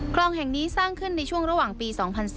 คลองแห่งนี้สร้างขึ้นในช่วงระหว่างปี๒๔